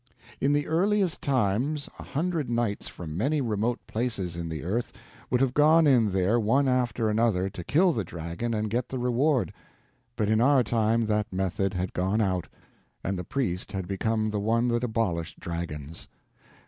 In the earliest times a hundred knights from many remote places in the earth would have gone in there one after another, to kill the dragon and get the reward, but in our time that method had gone out, and the priest had become the one that abolished dragons.